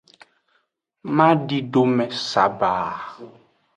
Madidome saba.